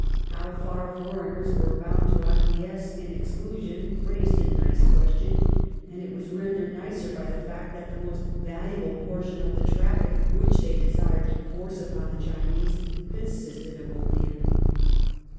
How far foreigners were bound to acquiesce in exclu sion raised a nice question, and it was rendered nicer by the fact that the most valuable portion of the traffic which they desired to force upon the Chinese consisted of opium.